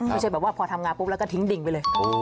ไม่ใช่แบบว่าพอทำงานปุ๊บแล้วก็ทิ้งดิ่งไปเลย